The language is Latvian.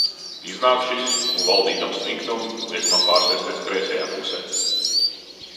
Iznāk šis un, valdīdams niknumu, liek man pārsēsties kreisajā pusē.